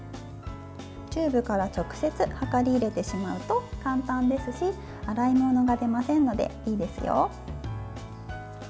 チューブから直接はかり入れてしまうと簡単ですし洗い物が出ませんのでいいですよ。